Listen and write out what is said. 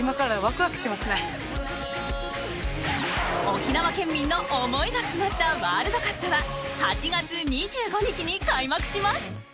沖縄県民の思いが詰まったワールドカップは８月２５日に開幕します。